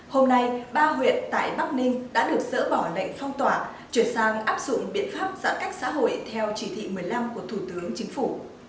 hôm nay ba huyện tại bắc ninh đã được dỡ bỏ lệnh phong tỏa chuyển sang áp dụng biện pháp giãn cách xã hội theo chỉ thị một mươi năm của thủ tướng chính phủ